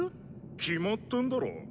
決まってんだろ。